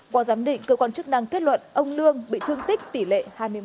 qua giám định cơ quan chức năng kết luận ông lương bị thương tích tỷ lệ hai mươi một